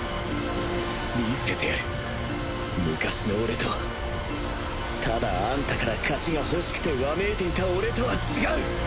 見せてやる昔の俺とはただアンタから勝ちが欲しくてわめいていた俺とは違う！